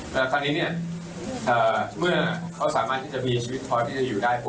แต่คราวนี้เนี่ยเมื่อเขาสามารถที่จะมีชีวิตพอที่จะอยู่ได้ปุ